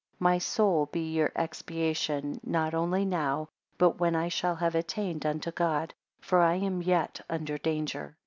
My soul be your expiation, not only now, but when I shall have attained unto God; for I am yet under danger.